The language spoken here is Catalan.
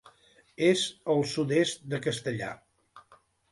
És al sud-est del Castellar.